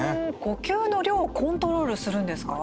呼吸の量をコントロールするんですか。